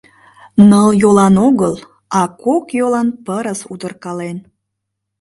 «Нылйолан огыл, а кокйолан пырыс удыркален.